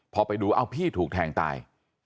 พอไปดูเอ้าพี่ถูกแทงตาย